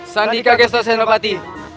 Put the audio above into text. sandika gusti senopati